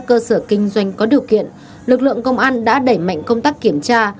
cơ sở kinh doanh có điều kiện lực lượng công an đã đẩy mạnh công tác kiểm tra